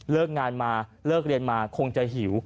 งานมาเลิกเรียนมาคงจะหิว